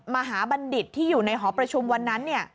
บัณฑิตที่อยู่ในหอประชุมวันนั้น